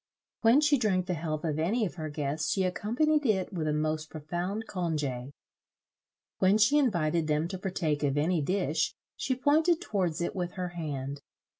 When she drank the health of any of her guests, she accompanied it with a most profound congè. When she invited them to partake of any dish, she pointed towards it with her hand.